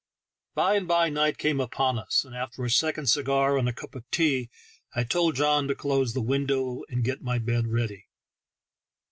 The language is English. By and by night came upon us, and after a second cigar and a cup ot tea, I told John to close the window and get my bed ready.